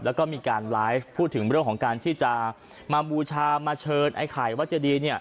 แล้วก็มีการไลฟ์พูดถึงเรื่องของการที่จะมาบูชามาเชิญไอ้ไข่วัดเจดี